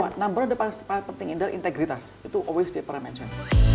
yang number one number one yang paling penting adalah integritas itu always dipermention